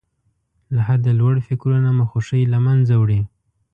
له حده لوړ فکرونه مو خوښۍ له منځه وړي.